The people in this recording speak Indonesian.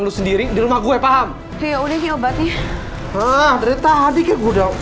lu sendiri di rumah gue paham ya udah obatnya